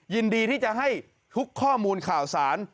ยินดีที่จะให้ทุกข้อมูลข่าวสาร